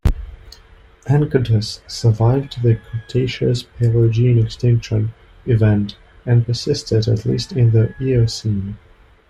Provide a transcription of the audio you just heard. "Enchodus" survived the Cretaceous-Paleogene extinction event and persisted at least into the Eocene.